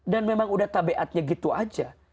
dan memang udah tabiatnya gitu aja